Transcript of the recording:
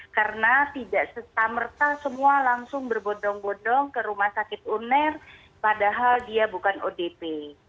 karena tidak serta merta semua langsung berbodong bodong ke rumah sakit uner padahal dia bukan odp